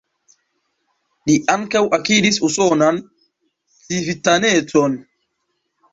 Li ankaŭ akiris usonan civitanecon.